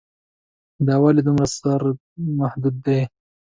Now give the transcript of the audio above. دا ولې دومره سره محدود دي.